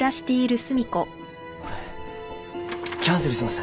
これキャンセルします。